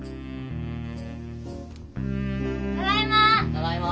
ただいま！